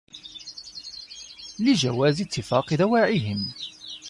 لِجَوَازِ اتِّفَاقِ دَوَاعِيهِمْ